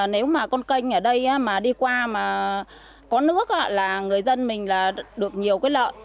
nếu mà con kênh ở đây mà đi qua mà có nước là người dân mình là được nhiều